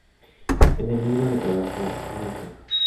En el libro de trabajo a una entrada.